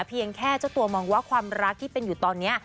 เพียงแค่เจ้าตัวมองว่าความรักที่เป็นอยู่ตอนนี้